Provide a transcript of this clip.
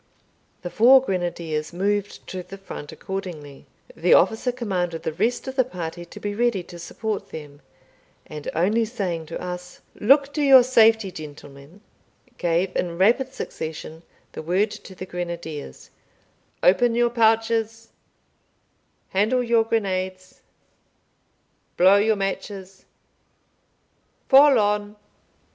The four grenadiers moved to the front accordingly. The officer commanded the rest of the party to be ready to support them, and only saying to us, "Look to your safety, gentlemen," gave, in rapid succession, the word to the grenadiers "Open your pouches handle your grenades blow your matches fall on."